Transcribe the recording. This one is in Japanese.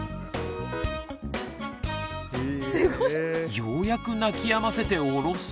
ようやく泣きやませておろすと。